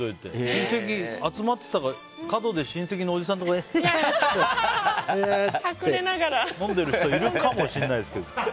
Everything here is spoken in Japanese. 親戚集まってたら角で親戚のおじさんが飲んでる人いるかもしれないですけど。